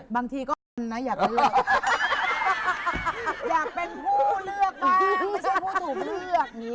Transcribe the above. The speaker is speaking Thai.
บางทีก็นะอยากเลือก